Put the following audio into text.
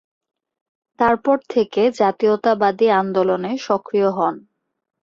তারপর থেকে জাতীয়তাবাদী আন্দোলনে সক্রিয় হন।